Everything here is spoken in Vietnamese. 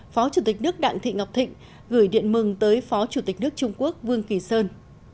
phó chủ tịch nước đặng thị ngọc thịnh gửi điện mừng tới phó chủ tịch nước trung quốc vương kỳ sơn